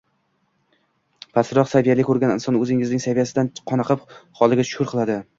Pastroq saviyani ko'rgan inson o‘zining saviyasidan qoniqib, holiga shukr qiladi.